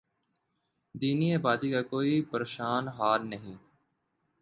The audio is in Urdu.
دیہی آبادی کا کوئی پرسان حال نہیں۔